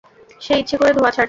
সে ইচ্ছে করে ধোঁয়া ছাড়ছে।